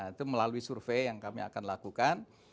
itu melalui survei yang kami akan lakukan